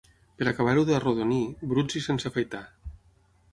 Per acabar-ho d'arrodonir, bruts i sense afaitar